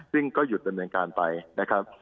ซึ่งก็หยุดเป็นเหมืองการไปนะครับ